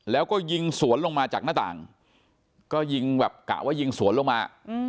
แล้วก็ยิงสวนลงมาจากหน้าต่างก็ยิงแบบกะว่ายิงสวนลงมา